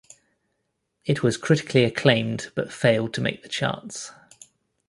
It was critically acclaimed but failed to make the charts.